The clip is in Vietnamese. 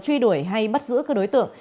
truy đuổi hay bắt giữ các đối tượng